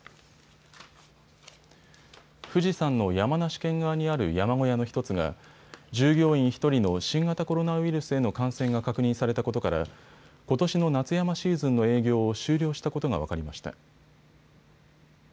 富士山の山梨県側にある山小屋の１つが従業員１人の新型コロナウイルスへの感染が確認されたことからことしの夏山シーズンの営業を終了したことが分かりました。